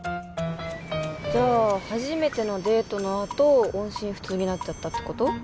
じゃあ初めてのデートのあと音信不通になっちゃったってこと？